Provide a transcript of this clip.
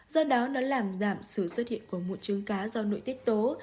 do đó nó làm giảm sự xuất hiện của mụn chướng cá do nội tiết tố